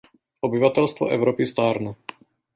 Obyvatelstvo Evropy stárne.